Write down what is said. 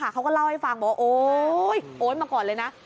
เขาก็เล่าให้ฟังบอกว่าโอ๊ยโอ๊ยมาก่อนเลยนะ